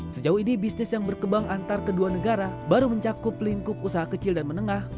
sejauh ini bisnis yang berkebang antar kedua negara baru mencakup lingkup usaha kecil dan menengah